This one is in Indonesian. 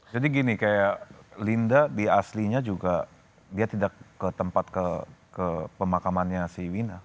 jadi gini kayak linda di aslinya juga dia tidak ke tempat pemakamannya si wina